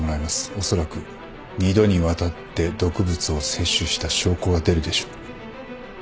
おそらく二度にわたって毒物を摂取した証拠が出るでしょう。